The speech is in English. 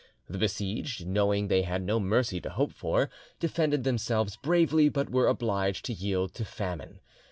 The besieged, knowing they had no mercy to hope for, defended themselves bravely, but were obliged to yield to famine.